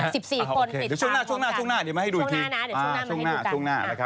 สิบสี่คนติดตามพวกกันช่วงหน้าเดี๋ยวมาให้ดูอีกพีคช่วงหน้า